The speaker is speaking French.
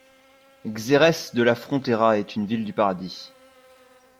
Xerès de la Frontera est une ville du paradis.